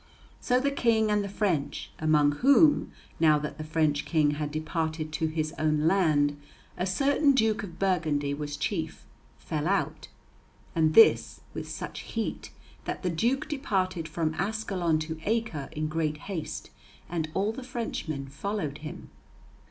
So the King and the French, among whom, now that the French King had departed to his own land, a certain Duke of Burgundy was chief, fell out, and this with such heat, that the duke departed from Ascalon to Acre in great haste, and all the Frenchmen followed him.